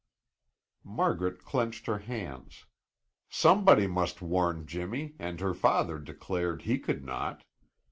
Margaret clenched her hands. Somebody must warn Jimmy and her father declared he could not.